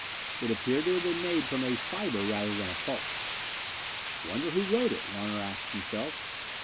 It appeared to have been made from a fiber rather than a pulp. "Wonder who wrote it?" Larner asked himself.